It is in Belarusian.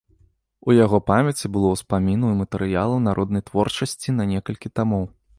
У яго памяці было ўспамінаў і матэрыялаў народнай творчасці на некалькі тамоў.